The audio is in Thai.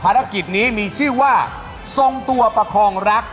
ภารกิจนี้มีชื่อว่าทรงตัวประคองรัก